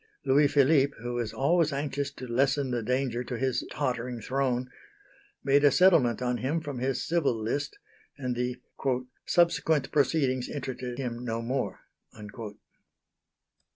Louis Philippe, who was always anxious to lessen the danger to his tottering throne, made a settlement on him from his Civil List, and the "subsequent proceedings interested him no more."